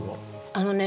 あのね